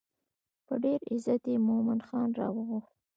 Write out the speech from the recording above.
په ډېر عزت یې مومن خان راوغوښت.